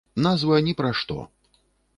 Назва ні пра што.